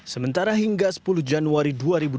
sementara hingga sepuluh januari dua ribu dua puluh